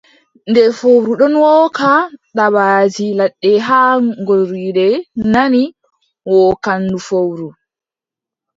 Nde fowru ɗon wooka, dabbaaji ladde haa ngoolirde nani wookaandu fowru.